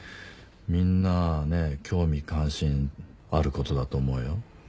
みんな興味関心あることだと思うよ。